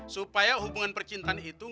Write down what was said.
supaya hubungan percintaan itu